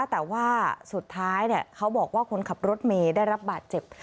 แต่ว่าสุดท้ายเขาบอกว่าคนขับรถเมย์ได้รับบาดเจ็บ